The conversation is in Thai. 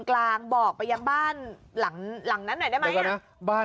ว่าน้ำบ้าร้อนเลยไปบ้านเขา